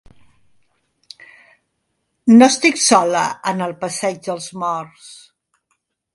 No estic sola en el passeig dels morts.